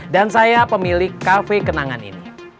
dan saya pemilik kafe kenangan ini